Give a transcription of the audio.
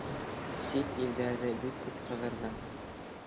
— Сит илдәрҙе бик күп ҡыҙырҙың.